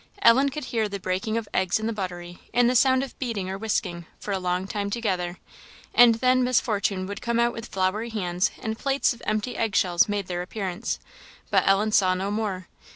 Ellen could hear the breaking of eggs in the buttery, and the sound of beating or whisking, for a long time together; and then Miss Fortune would come out with floury hands, and plates of empty egg shells made their appearance. But Ellen saw no more.